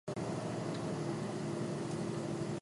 エソンヌ県の県都はエヴリーである